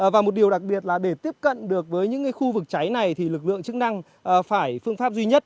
và một điều đặc biệt là để tiếp cận được với những khu vực cháy này thì lực lượng chức năng phải phương pháp duy nhất